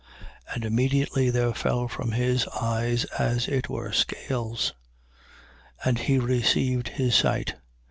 9:18. And immediately there fell from his eyes as it were scales: and he received his sight.